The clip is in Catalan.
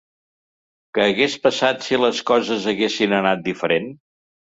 Què hagués passat si les coses haguessin anat diferent?